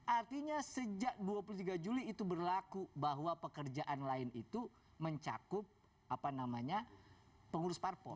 artinya sejak dua puluh tiga juli itu berlaku bahwa pekerjaan lain itu mencakup pengurus parpol